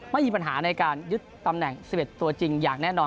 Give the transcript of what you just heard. ไม่มีปัญหาในการยึดตำแหน่ง๑๑ตัวจริงอย่างแน่นอน